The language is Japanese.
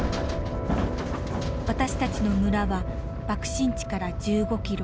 私たちの村は爆心地から１５ｋｍ。